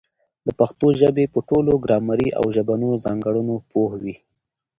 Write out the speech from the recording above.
د پښتو ژبي په ټولو ګرامري او ژبنیو ځانګړنو پوه وي.